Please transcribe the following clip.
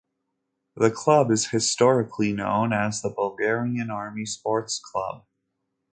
The club is historically known as the Bulgarian Army sports club.